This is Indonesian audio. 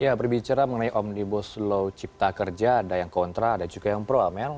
ya berbicara mengenai omnibus law cipta kerja ada yang kontra ada juga yang pro amel